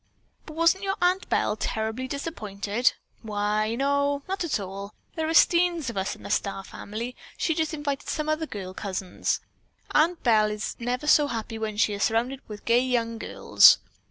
"But wasn't your Aunt Belle terribly disappointed?" "Why, no; not at all. There are steens of us in the Starr family. She just invited some other girl cousins. Aunt Belle is never so happy as when she is surrounded with gay young girls.